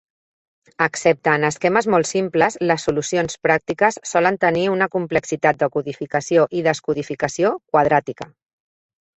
Excepte en esquemes molt simples, les solucions pràctiques solen tenir una complexitat de codificació i descodificació quadràtica.